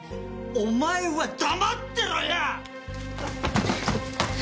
お前は黙ってろよ！！